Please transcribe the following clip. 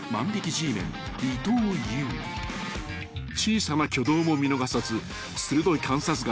［小さな挙動も見逃さず鋭い観察眼で